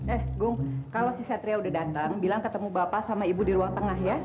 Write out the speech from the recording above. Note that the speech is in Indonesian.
eh bung kalau si satria udah datang bilang ketemu bapak sama ibu di ruang tengah ya